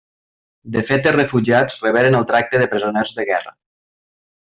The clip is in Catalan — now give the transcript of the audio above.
De fet els refugiats reberen el tracte de presoners de guerra.